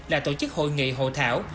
là tổ chức hội nghị hộ thảo